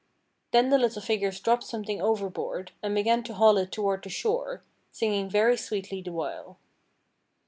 Then the little figures dropped something overboard, and began to haul it toward the shore, singing very sweetly the while.